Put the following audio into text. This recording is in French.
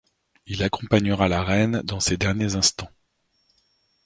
Il accompagnera la reine dans ses derniers instants.